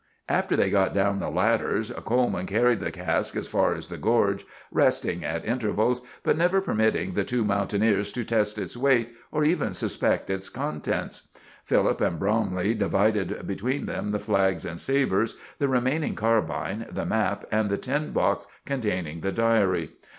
"] After they got down the ladders, Coleman carried the cask as far as the gorge, resting at intervals, but never permitting the two mountaineers to test its weight or even suspect its contents. Philip and Bromley divided between them the flags and sabers, the remaining carbine, the map, and the tin box containing the diary.